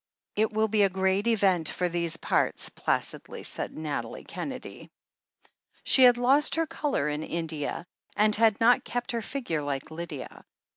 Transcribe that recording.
"It will be a great event for these parts," placidly said Nathalie Kennedy. She had lost her colour in India, and had not kept her figure, like Lydia.